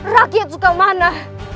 rakyat suka mana